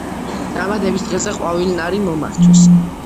დაბადების დღეზე ყვავილნარი მომართვეს.